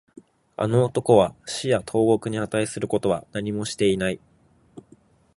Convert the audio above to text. あの男は死や投獄に値することは何もしていない